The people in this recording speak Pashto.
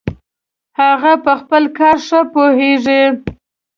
هغه په خپل کار ښه پوهیږي